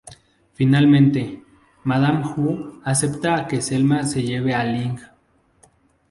Finalmente, Madam Wu acepta que Selma se lleve a Ling.